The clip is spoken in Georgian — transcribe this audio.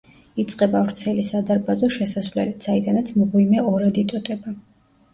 იწყება ვრცელი სადარბაზო შესასვლელით, საიდანაც მღვიმე ორად იტოტება.